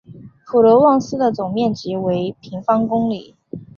普罗旺斯的总面积为平方公里。